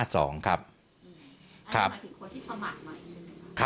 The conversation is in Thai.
อันนี้หมายถึงคนที่สมัครใหม่ใช่ไหมคะ